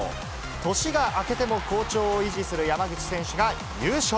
年が明けても好調を維持する山口選手が優勝。